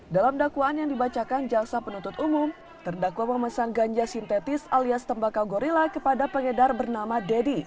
dalam dakwaan yang dibacakan jaksa penuntut umum terdakwa memesan ganja sintetis alias tembakau gorilla kepada pengedar bernama deddy